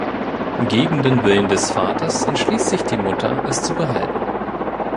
Gegen den Willen des Vaters entschließt sich die Mutter, es zu behalten.